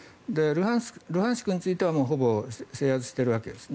ルハンシクについてはほぼ制圧しているわけですね。